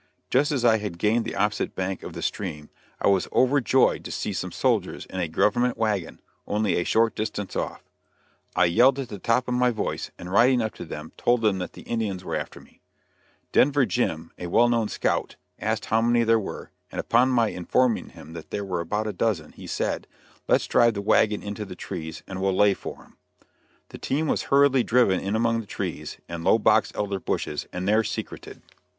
Just as I had gained the opposite bank of the stream I was overjoyed to see some soldiers in a government wagon, only a short distance off. I yelled at the top of my voice, and riding up to them, told them that the Indians were after me. [Illustration: AMBUSHING THE INDIANS.] Denver Jim, a well known scout, asked how many there were, and upon my informing him that there were about a dozen, he said: "Let's drive the wagon into the trees, and we'll lay for 'em." The team was hurriedly driven in among the trees and low box elder bushes, and there secreted.